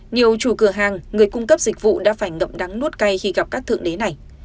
nhiều chủ cửa hàng người cung cấp dịch vụ đã phải ngậm đắng nuốt cay khi gặp các thượng đế này